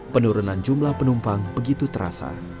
penurunan jumlah penumpang begitu terasa